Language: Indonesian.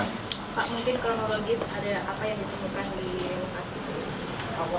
pak mungkin kronologis ada apa yang ditemukan di lokasi